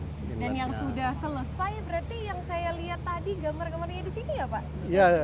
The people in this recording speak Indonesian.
dan yang sudah selesai berarti yang saya lihat tadi gambar kemarinnya di sini ya pak